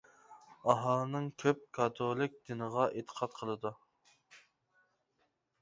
ئاھالىنىڭ كۆپ كاتولىك دىنىغا ئېتىقاد قىلىدۇ.